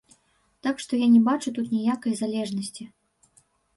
Так што я не бачу тут ніякай залежнасці.